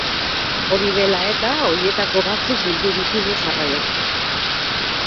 Hori dela eta, horietako batzuk bildu ditugu jarraian.